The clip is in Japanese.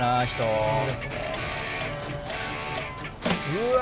うわ！